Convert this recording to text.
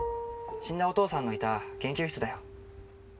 死んだお父さんのいた研究室だよ。